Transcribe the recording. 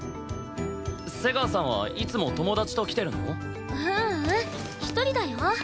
瀬川さんはいつも友達と来てるの？ううん１人だよ。